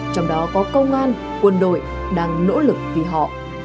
trong đó có công an quân đội đang nỗ lực vì họ